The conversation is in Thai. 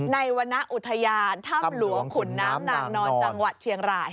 ในวรรณอุธยานถหลวงขน้ำนจเชียงราย